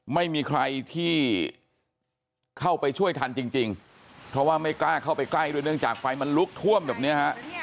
ไม่มีใครที่เข้าไปช่วยทันจริงเพราะว่าไม่กล้าเข้าไปใกล้ด้วยเนื่องจากไฟมันลุกท่วมแบบเนี้ยฮะ